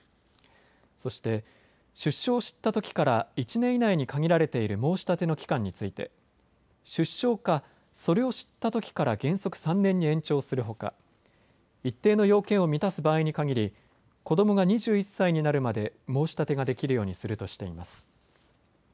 そして出生を知ったときから１年以内に限られている申し立ての期間について出生か、それを知ったときから原則３年に延長するほか、一定の要件を満たす場合に限り子どもが２１歳になるまで申し立てができるようにするとしています。